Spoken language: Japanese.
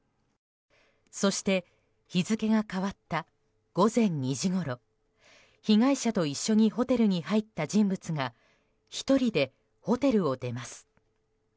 そして、日付が変わった午前２時ごろ被害者と一緒にホテルに入った人物が１人でホテルを出ます。